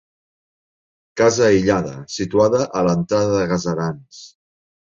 Casa aïllada, situada a l'entrada de Gaserans.